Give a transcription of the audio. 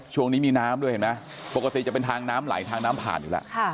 ช่วงนี้มีน้ำด้วยเห็นไหมปกติจะเป็นทางน้ำไหลทางน้ำผ่านอยู่แล้ว